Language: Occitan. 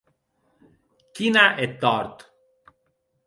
Qui n'a eth tòrt?